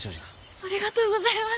ありがとうございます。